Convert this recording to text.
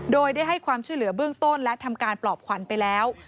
โดยได้ให้ความช่วยเหลือเบื้องต้นและทำการปลอบขวัญไปแล้ว